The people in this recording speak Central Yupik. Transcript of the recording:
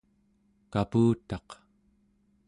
kaputaq